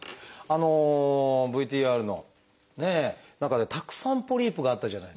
ＶＴＲのね中でたくさんポリープがあったじゃないですか。